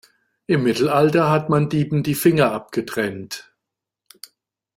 Im Mittelalter hat man Dieben die Finger abgetrennt.